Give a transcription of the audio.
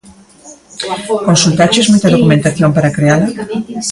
Consultaches moita documentación para creala?